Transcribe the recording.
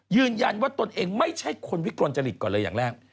ยืนยันว่าตนเองไม่ใช่คนวิกลจริตก่อนเลยอย่างแรก